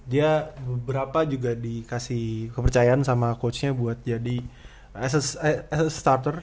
dia beberapa juga dikasih kepercayaan sama coach nya buat jadi starter